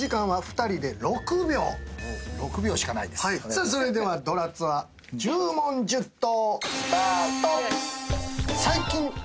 さあそれではドラツア１０問１０答スタート！